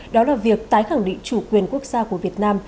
đó là việc tái khẳng định chủ quyền quốc gia của việt nam